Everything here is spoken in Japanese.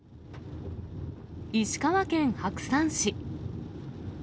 石川県白山市。